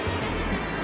jangan makan aku